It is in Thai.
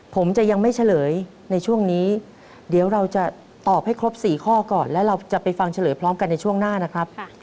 ผมจะยังไม่เฉลยในช่วงนี้เดี๋ยวเราจะตอบให้ครบ๔ข้อก่อนและเราจะไปฟังเฉลยพร้อมกันในช่วงหน้านะครับ